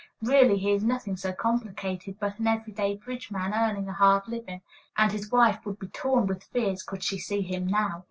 Really he is nothing so complicated, but an every day bridge man earning a hard living; and his wife would be torn with fears could she see him now.